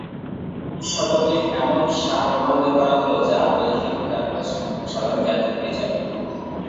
বিশ শতকে, এমন সা প্রমাণ বের করা হল যা বোঝার জন্য ক্যালকুলাস সম্পর্কে সাধারণ জ্ঞান থাকলেই চলে।